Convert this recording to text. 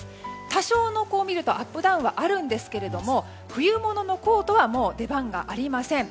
多少のアップダウンはあるんですけれども冬物のコートはもう出番がありません。